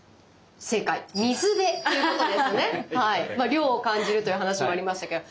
涼を感じるという話もありましたけど。